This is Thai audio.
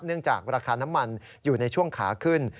จากราคาน้ำมันอยู่ในช่วงขาขึ้น